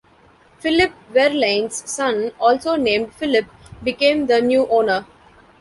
Philip Werlein's son, also named Philip, became the new owner.